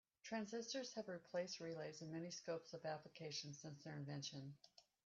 Transistors have replaced relays in many scopes of application since their invention.